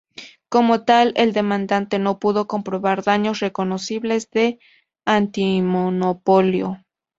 Como tal, el demandante no pudo comprobar daños reconocibles de antimonopolio.